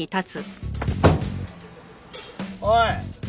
おい！